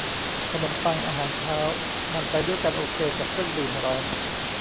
ขนมปังอาหารเช้ามันไปด้วยกันโอเคกับเครื่องดื่มร้อน